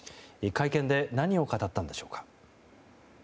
会見で何を語ったんでしょうか。